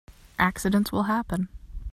Accidents will happen.